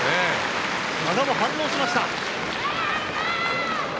羽賀も反応しました。